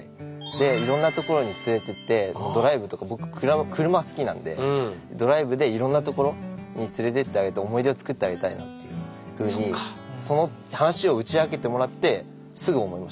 でいろんな所に連れてってドライブとか僕車好きなんでドライブでいろんな所に連れてってあげて思い出ををつくってあげたいなっていうふうにその話を打ち明けてもらってすぐ思いました。